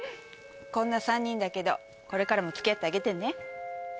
こんな３人だけどこれからも付き合ってあげてね。